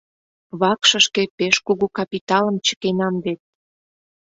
Вакшышке пеш кугу капиталым чыкенам вет...